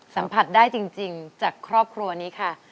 สัมผัสได้จริงจากครอบครัวนี้ค่ะ